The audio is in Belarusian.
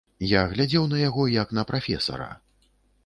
Я глядзеў на яго, як на прафесара.